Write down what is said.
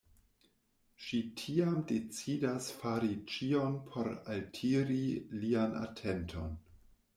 Ŝi tiam decidas fari ĉion por altiri lian atenton.